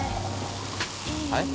はい？